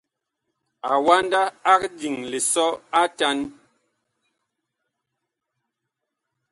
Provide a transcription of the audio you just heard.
Awanda ag diŋ lisɔ atan.